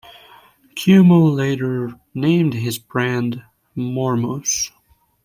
Cuomo later named his band Mormos.